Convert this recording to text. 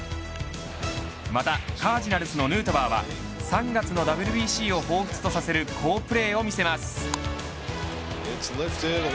また、カージナルスのヌートバーは３月のＷＢＣをほうふつとさせる好プレーを見せます。